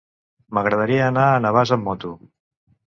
M'agradaria anar a Navàs amb moto.